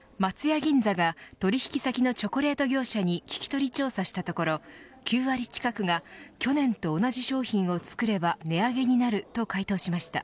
銀座が取引先のチョコレート業者に聞き取り調査したところ９割近くが去年と同じ商品を作れば値上げになると回答しました。